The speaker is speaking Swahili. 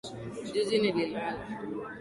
Juzi nililala